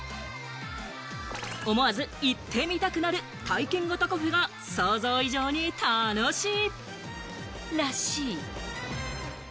思わず行ってみたくなる体験型カフェが想像以上に楽しいらしい。